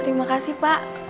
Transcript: terima kasih pak